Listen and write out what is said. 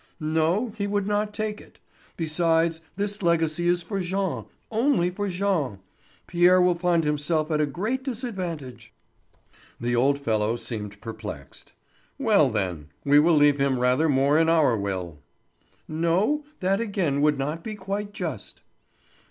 "No, he would not take it. Besides, this legacy is for Jean, only for Jean. Pierre will find himself at a great disadvantage." The old fellow seemed perplexed: "Well, then, we will leave him rather more in our will." "No; that again would not be quite just."